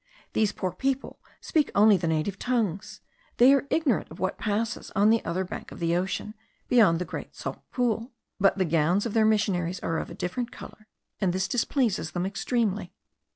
These poor people speak only the native tongues; they are ignorant of what passes on the other bank of the ocean, beyond the great salt pool; but the gowns of their missionaries are of a different colour, and this displeases them extremely.